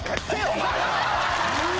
お前。